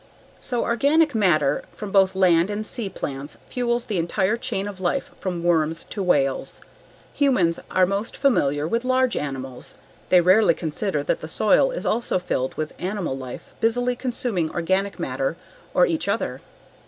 So organic matter from both land and sea plants fuels the entire chain of life from worms to whales. Humans are most familiar with large animals; they rarely consider that the soil is also filled with animal life busily consuming organic matter or each other.